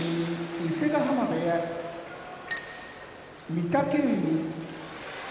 伊勢ヶ濱部屋御嶽海